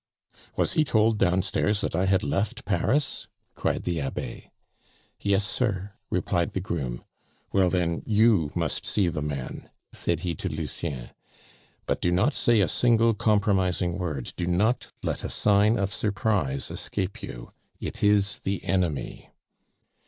"Was he told downstairs that I had left Paris?" cried the Abbe. "Yes, sir," replied the groom. "Well, then, you must see the man," said he to Lucien. "But do not say a single compromising word, do not let a sign of surprise escape you. It is the enemy."